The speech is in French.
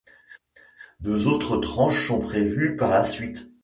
Deux autres tranches sont prévues par la suite.